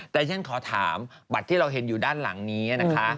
แต่ฉันขอถามบัตรที่เราเห็นอยู่ด้านหลังนี้นะคะ